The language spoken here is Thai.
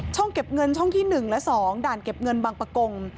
ช่องเก็บเงินช่องที่หนึ่งและสองด่านเก็บเงินบางประกง